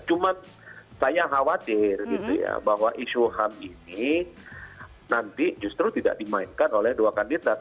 cuma saya khawatir gitu ya bahwa isu ham ini nanti justru tidak dimainkan oleh dua kandidat